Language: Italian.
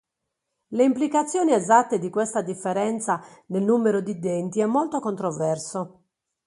Le implicazioni esatte di questa differenza nel numero di denti è molto controverso.